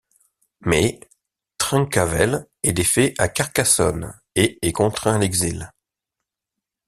Mais, Trencavel est défait à Carcassonne et est contraint à l'exil.